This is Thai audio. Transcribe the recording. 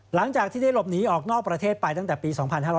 หลังจากที่ได้หลบหนีออกนอกประเทศไปตั้งแต่ปี๒๕๕๙